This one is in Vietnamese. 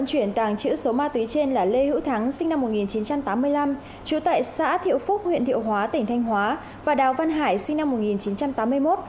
chú tại xã thiệu phúc huyện thiệu hóa tỉnh thanh hóa và đào văn hải sinh năm một nghìn chín trăm tám mươi một